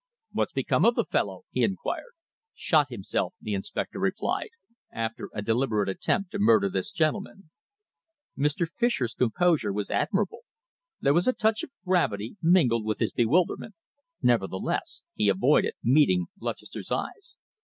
"What's become of the fellow?" he inquired. "Shot himself," the inspector replied, "after a deliberate attempt to murder this gentleman." Mr. Fischer's composure was admirable. There was a touch of gravity mingled with his bewilderment. Nevertheless, he avoided meeting Lutchester's eyes.